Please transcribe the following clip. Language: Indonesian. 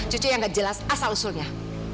cucu yang nggak jelas asal usulnya